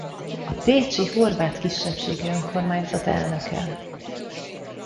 A pécsi horvát kisebbségi önkormányzat elnöke.